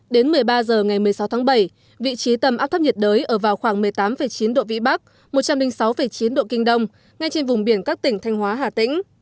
đến một mươi ba h ngày một mươi sáu tháng bảy vị trí tâm áp thấp nhiệt đới ở vào khoảng một mươi tám chín độ vĩ bắc một trăm linh sáu chín độ kinh đông ngay trên vùng biển các tỉnh thanh hóa hà tĩnh